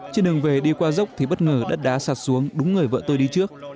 trên đường về đi qua dốc thì bất ngờ đất đá sạt xuống đúng người vợ tôi đi trước